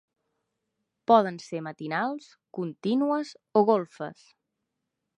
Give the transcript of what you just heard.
Poden ser matinals, contínues o golfes.